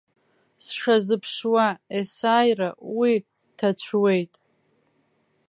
Сшазыԥшуа, есааира уи ҭацәуеит.